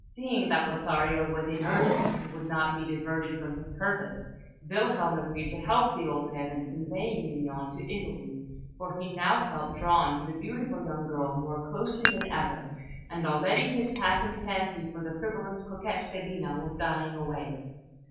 Seeing that Lothario was in earnest, and would not be diverted from his purpose, Wilhelm agreed to help the old man in conveying Mignon to Italy; for he now felt drawn to the beautiful young girl more closely than ever, and already his passing fancy for the frivolous coquette, Filina, was dying away.